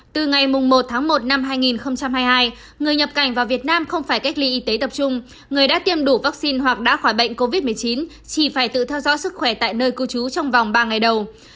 từ ngày một tháng một năm hai nghìn hai mươi hai người nhập cảnh vào việt nam không phải cách ly y tế tập trung người đã tiêm đủ vaccine hoặc đã khỏi bệnh covid một mươi chín chỉ phải tự theo dõi sức khỏe tại nơi cư trú trong vòng ba ngày đầu